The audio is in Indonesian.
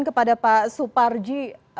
kepada pak suparji